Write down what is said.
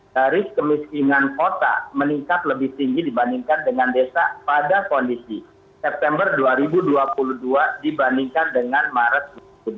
dari kemiskinan kota meningkat lebih tinggi dibandingkan dengan desa pada kondisi september dua ribu dua puluh dua dibandingkan dengan maret dua ribu dua puluh